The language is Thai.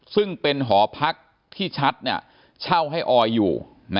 ซึ่งเป็นหอพักที่ชัดเช่าให้ออยอยู่